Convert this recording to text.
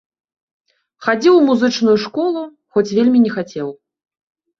Хадзіў у музычную школу, хоць вельмі не хацеў.